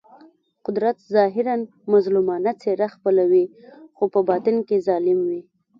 قدرت ظاهراً مظلومانه څېره خپلوي خو په باطن کې ظالم وي.